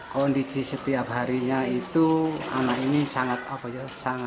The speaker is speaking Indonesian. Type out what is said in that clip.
kondisi setiap harinya itu anak ini sangat oke